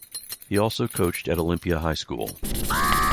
He also coached at Olympia High School.